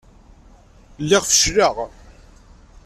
Lliɣ fecleɣ.